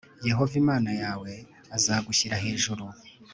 yehova imana yawe azagushyira hejuru